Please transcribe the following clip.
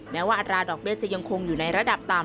แม้ว่าอัตราดอกเบี้ยจะยังคงอยู่ในระดับต่ำ